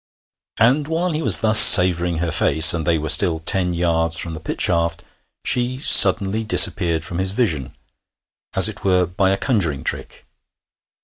And while he was thus savouring her face, and they were still ten yards from the pit shaft, she suddenly disappeared from his vision, as it were by a conjuring trick.